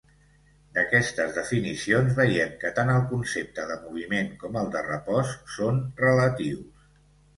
D'aquestes definicions, veiem que tant el concepte de moviment com el de repòs són relatius.